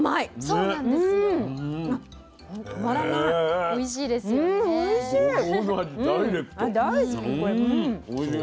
うんおいしい。